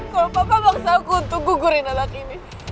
kalau papa maksa aku untuk gugurin anak ini